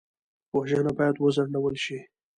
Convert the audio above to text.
وژنه باید وځنډول شي